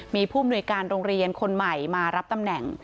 มีผู้มนุยการโรงเรียนคนใหม่มารับตำแหน่ง